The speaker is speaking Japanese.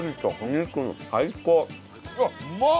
うわっうまっ！